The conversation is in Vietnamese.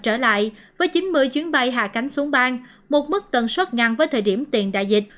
trở lại với chín mươi chuyến bay hạ cánh xuống bang một mức tần suất ngang với thời điểm tiền đại dịch